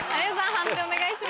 判定お願いします。